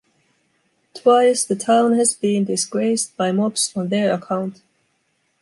Twice the town has been disgraced by mobs on their account.